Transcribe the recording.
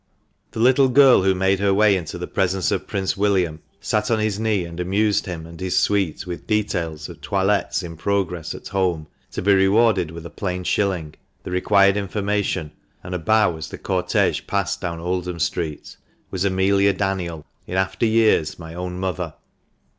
— The little girl who made her way into the presence ot Prince William, sat on his knee and amused him and his suite with details of toilettes in progress at home, to be rewarded with a plain shilling, the required information, and a bow as the cortlge passed down Oldham Street, was Amelia Daniel, in after years my own mother.